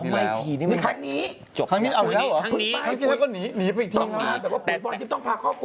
ไม่โดน